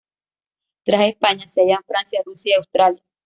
Tras España, se hallan Francia, Rusia y Australia.